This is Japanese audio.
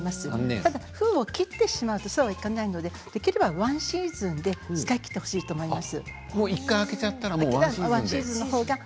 ただ封を切ってしまうとそうはいかないのでできれば１シーズンで使い切ってほしいと思います。